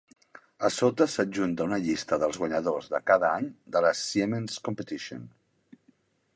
A sota s'adjunta una llista dels guanyadors de cada any de la Siemens Competition.